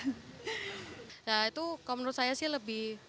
nah itu kalau menurut saya sih lebih